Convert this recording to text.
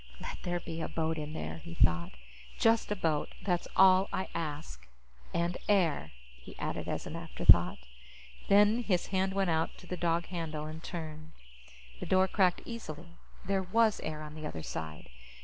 Let there be a boat in there, he thought. Just a boat, that's all I ask. And air, he added as an afterthought. Then his hand went out to the dog handle and turned. The door cracked easily. There was air on the other side.